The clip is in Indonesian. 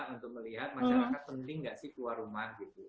untuk melihat masyarakat penting gak sih keluar rumah gitu